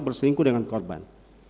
berselingkuh dengan korban